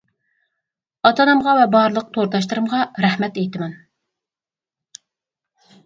ئاتامانغا ۋە بارلىق تورداشلىرىمغا رەھمەت ئېيتىمەن.